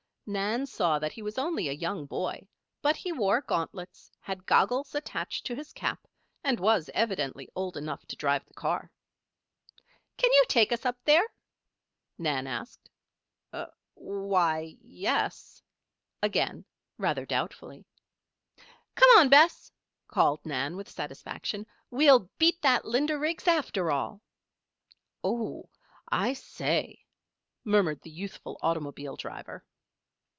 Nan saw that he was only a young boy; but he wore gauntlets, had goggles attached to his cap, and was evidently old enough to drive the car. "Can you take us up there?" Nan asked. "Why yes," again rather doubtfully. "Come on, Bess!" called Nan, with satisfaction. "We'll beat that Linda Riggs after all." "Oh, I say!" murmured the youthful automobile driver.